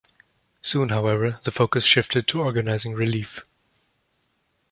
Soon, however, the focus shifted to organising relief.